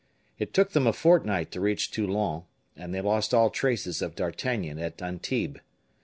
It took them a fortnight to reach Toulon, and they lost all traces of D'Artagnan at Antibes.